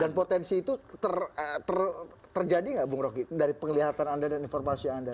potensi itu terjadi nggak bung roky dari penglihatan anda dan informasi anda